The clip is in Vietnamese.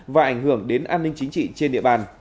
và ảnh hưởng đến an ninh chính trị trên địa bàn